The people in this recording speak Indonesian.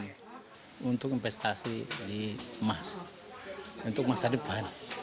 dan untuk investasi di emas untuk masa depan